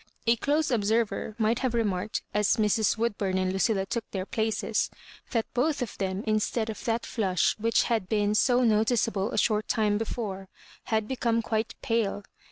A close ob server might have remarked, as Mrs. "Wood bum and Lucilla took their places, that both of them, instead of that flush which had been so notice able a short time before, had become quite pale.